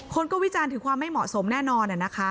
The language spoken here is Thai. คนก็วิจารณ์ถึงความไม่เหมาะสมแน่นอนนะคะ